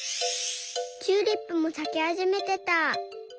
チューリップもさきはじめてた。